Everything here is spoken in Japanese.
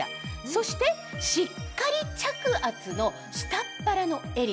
そしてしっかり着圧の下っ腹のエリア。